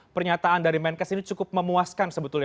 pernyataan dari menkes ini cukup memuaskan sebetulnya